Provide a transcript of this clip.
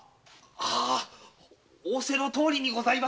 はい仰せのとおりにございます。